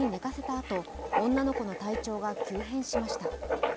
あと女の子体調が急変しました。